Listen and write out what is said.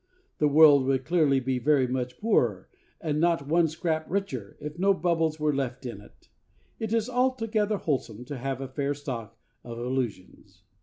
The world would clearly be very much the poorer, and not one scrap the richer, if no bubbles were left in it. It is altogether wholesome to have a fair stock of illusions.